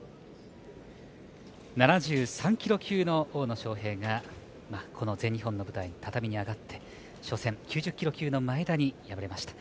７３キロ級の大野将平がこの全日本の舞台、畳に上がって初戦、９０キロ級の前田に敗れました。